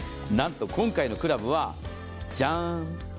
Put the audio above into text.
なんと今回のクラブはジャーン！